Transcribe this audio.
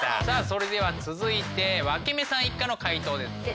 さあそれでは続いて分目さん一家の解答です。